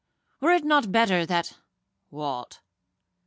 Were it not better that—' 'What?'